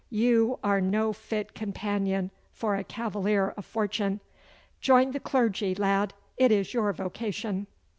You are no fit companion for a cavalier of fortune. Join the clergy, lad; it is your vocation.